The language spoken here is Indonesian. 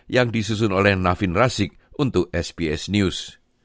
yang disusun oleh nafin rasik untuk sbs news